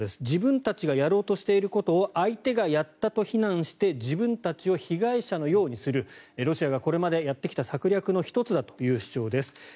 自分たちがやろうとしていることを相手がやったと非難して自分たちを被害者のようにするロシアがこれまでやってきた策略の１つだという主張です。